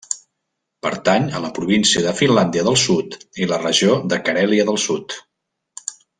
Pertany a la província de Finlàndia del Sud i la regió de Carèlia del Sud.